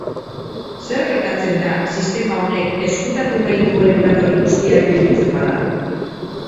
Zer gertatzen da sistema honek ezkutatu nahi duen lan hori guztia gelditzen bada?